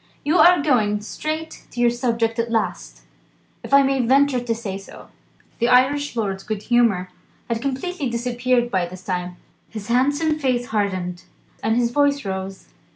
You are going straight to your subject at last, if I may venture to say so." The Irish lord's good humour had completely disappeared by this time. His handsome face hardened, and his voice rose.